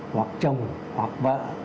hoặc chồng hoặc vợ